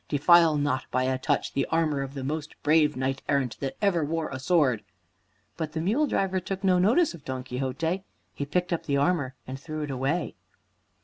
"Defile not by a touch the armor of the most brave knight errant that ever wore a sword." But the mule driver took no notice of Don Quixote. He picked up the armor and threw it away.